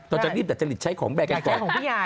ตอนนี้แต่จะหลีดใช้ของแบกกันก่อน